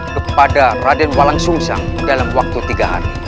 kepada raden walang sumsang dalam waktu tiga hari